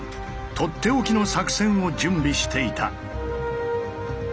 取って置きの作戦を準備していた。